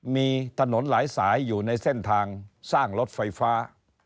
มีถนนหลายสายอยู่ในเส้นทางสร้างรถไฟฟ้า